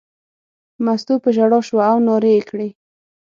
مستو په ژړا شوه او نارې یې کړې.